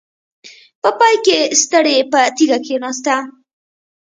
په پای کې ستړې په تيږه کېناسته.